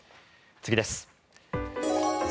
次です。